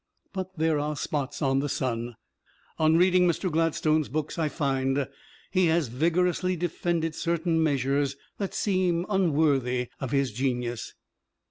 But there are spots on the sun. On reading Mr. Gladstone's books I find he has vigorously defended certain measures that seem unworthy of his genius.